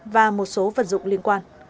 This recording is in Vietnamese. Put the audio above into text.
và một số vật dụng liên quan